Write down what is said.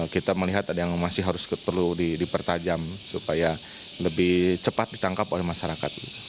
kita melihat ada yang masih harus perlu dipertajam supaya lebih cepat ditangkap oleh masyarakat